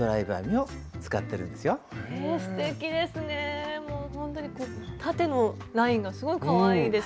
ほんとに縦のラインがすごいかわいいです。